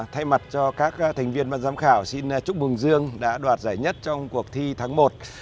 thay mặt cho các thành viên ban giám khảo xin chúc mừng dương đã đoạt giải nhất trong cuộc thi tháng một